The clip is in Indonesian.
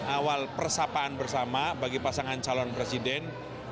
awal persapaan bersama bagi pasangan calon presiden